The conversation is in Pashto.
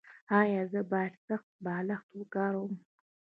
ایا زه باید سخت بالښت وکاروم؟